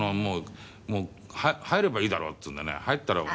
もう入ればいいだろうっつうんでね入ったらもう。